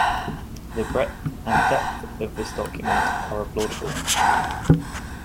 The breadth and depth of this document are applaudable.